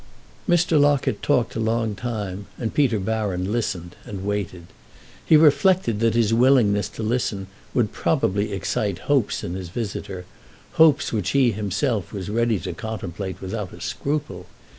Mr. Locket talked a long time, and Peter Baron listened and waited. He reflected that his willingness to listen would probably excite hopes in his visitor—hopes which he himself was ready to contemplate without a scruple.